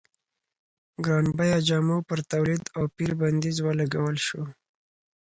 ګران بیه جامو پر تولید او پېر بندیز ولګول شو.